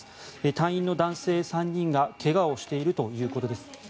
隊員の男性３人が怪我をしているということです。